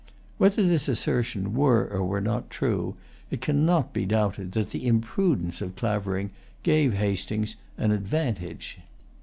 Whether this assertion were or were not true, it cannot be doubted that the imprudence of Clavering gave Hastings an advantage.